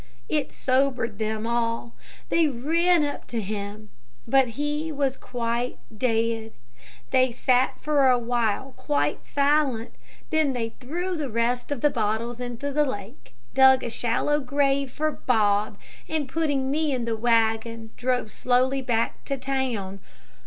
It sobered them all. They ran up to him, but he was quite dead. They sat for a while quite silent, then they threw the rest of the bottles into the lake, dug a shallow grave for Bob, and putting me in the wagon drove slowly back to town.